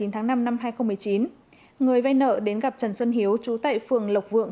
tháng năm năm hai nghìn một mươi chín người vây nợ đến gặp trần xuân hiếu chú tại phường lộc vượng